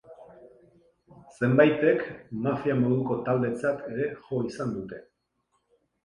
Zenbaitek mafia moduko taldetzat ere jo izan dute.